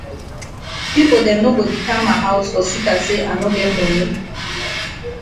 Pipo dem no go di kam for ma haus for seka say I no get moni.